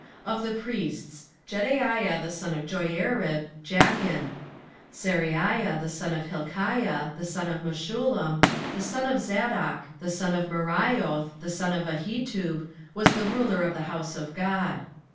16:011:010 Of the priests: Jedaiah the son of Joiarib, Jachin. 16:011:011 Seraiah the son of Hilkiah, the son of Meshullam, the son of Zadok, the son of Meraioth, the son of Ahitub, was the ruler of the house of God.